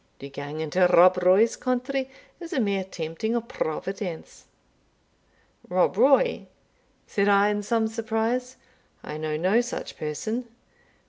To gang into Rob Roy's country is a mere tempting o' Providence." "Rob Roy?" said I, in some surprise; "I know no such person.